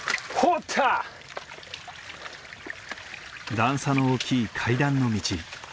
段差の大きい階段の道。